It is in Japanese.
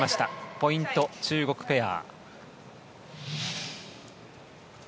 ポイント、中国ペア。